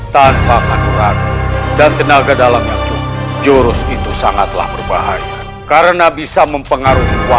tanpa menurut dan tenaga dalamnya jurus itu sangatlah berbahaya karena bisa mempengaruhi